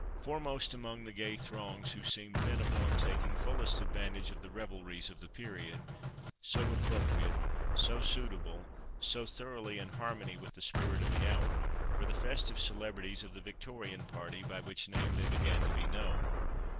Foremost among the gay throngs who seemed bent upon taking fullest advantage of the revelries of the period—so appropriate, so suitable, so thoroughly in harmony with the spirit of the hour, were the festive celebrities of the Victorian party, by which name they began to be known.